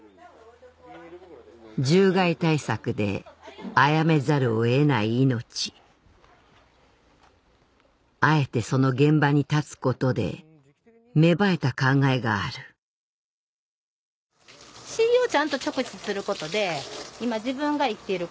獣害対策で殺めざるを得ない命あえてその現場に立つことで芽生えた考えがあるでも。